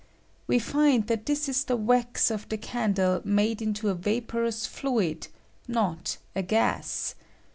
We find that this is the wax of the candle made into a vaporous fluid — not a gas.